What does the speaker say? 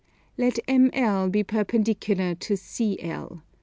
Let ML be perpendicular to CL.